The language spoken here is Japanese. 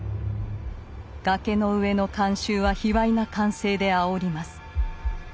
崖の上の観衆は卑猥な歓声であおります。